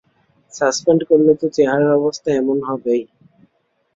Suspend করলে তো চেহারার অবস্থা এমন হবেই।